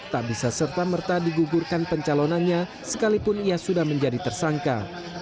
tak bisa serta merta digugurkan pencalonannya sekalipun ia sudah menjadi tersangka